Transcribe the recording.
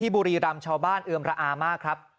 บุรีรำชาวบ้านเอือมระอามากครับ